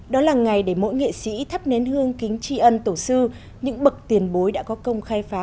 đó là ngày để mỗi nghệ sĩ thắp nến hương kính tri ân tổ sư những bậc tiền bối đã có công khai phá